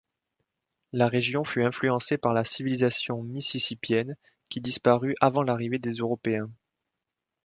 La région fut influencée par la civilisation mississippienne qui disparut avant l'arrivée des Européens.